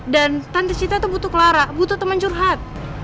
dan tante cita tuh butuh clara butuh teman curhat